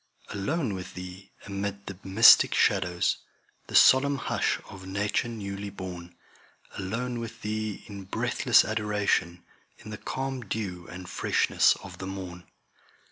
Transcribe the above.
Alone with Thee, amid the mystic shadows, The solemn hush of nature newly born; Alone with Thee in breathless adoration, In the calm dew and freshness of the morn.